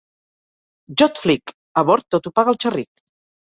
Jo et flic!... a bord, tot ho paga el xerric.